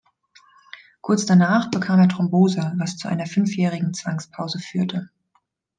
Kurz danach bekam er Thrombose, was zu einer fünfjährigen Zwangspause führte.